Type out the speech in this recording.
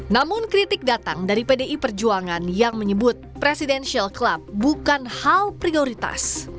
namun kritik datang dari pdi perjuangan yang menyebut presidential club bukan hal prioritas